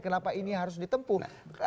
kenapa ini harus ditempuh